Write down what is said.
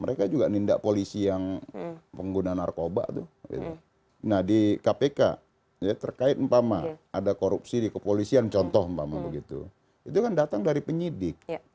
mereka juga nindak polisi yang pengguna narkoba tuh nah di kpk ya terkait mpama ada korupsi di kepolisian contoh mpama begitu itu kan datang dari penyidik